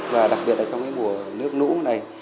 và đặc biệt là trong mùa nước nũ này